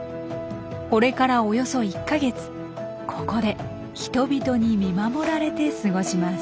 これからおよそ１か月ここで人々に見守られて過ごします。